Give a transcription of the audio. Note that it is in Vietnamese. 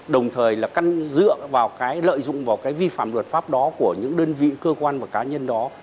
đồng thời là căn dựa vào cái lợi dụng vào cái vi phạm luật pháp đó của những đơn vị cơ quan và cá nhân đó